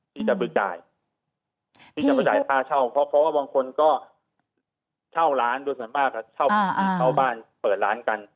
ที่จะไปจ่ายค่าเช่าเพราะว่าบางคนก็เช่าร้านโดยสำหรับเช่าบ้านเปิดร้านกัน